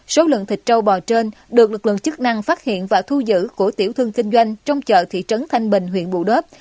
số lượng thịt trâu bò trên được lực lượng chức năng phát hiện và thu giữ của tiểu thương kinh doanh trong chợ thị trấn thanh bình huyện bù đớp